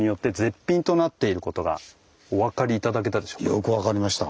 ではよく分かりました。